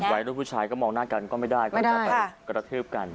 วัยรุ่นผู้ชายก็มองหน้ากันก็ไม่ได้ก็จะไปกระทืบกัน